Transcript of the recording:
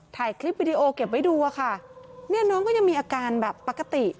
ถ่ายคลิปวิดีโอเก็บไว้ดูอะค่ะเนี่ยน้องก็ยังมีอาการแบบปกติ